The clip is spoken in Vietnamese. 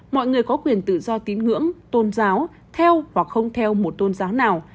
mọi người có quyền tự do tín ngưỡng tôn giáo theo hoặc không theo một tôn giáo nào